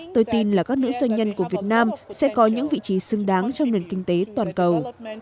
tôi tin là các nữ doanh nhân của việt nam sẽ có những vị trí xứng đáng trong nền kinh tế toàn cầu